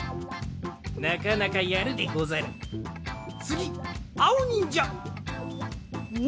なかなかやるでござる。